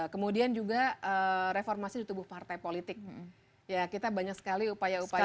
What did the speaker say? kemudian juga reformasi di tubuh partai politik ya kita banyak sekali upaya upaya